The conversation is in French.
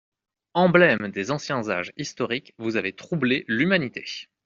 Emblèmes des anciens âges historiques, vous avez troublé l'humanité.